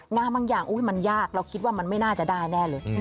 บางอย่างมันยากเราคิดว่ามันไม่น่าจะได้แน่เลย